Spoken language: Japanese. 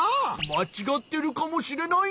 まちがってるかもしれないんじゃ！